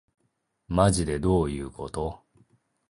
まじでどういうこと